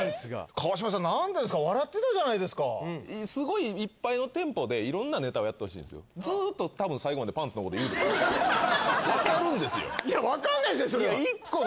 川島さん何ですか笑ってたじゃないですかすごいいっぱいのテンポで色んなネタをやってほしいんすよずっとたぶん最後までパンツのこと言うでしょわかるんですよいやわかんないすよ